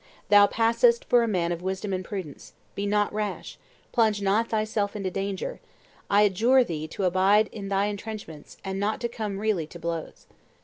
Thou passest for a man of wisdom and prudence; be not rash, plunge not thyself into danger; I adjure thee to abide in thy intrenchments, and not to come really to blows."